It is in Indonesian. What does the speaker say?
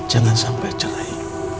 jangan sampai cerai